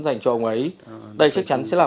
dành cho ông ấy đây chắc chắn sẽ là